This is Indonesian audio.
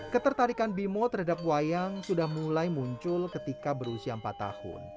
ketertarikan bimo terhadap wayang sudah mulai muncul ketika berusia empat tahun